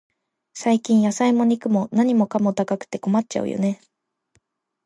最近、野菜も肉も、何かも高くて困っちゃうよね。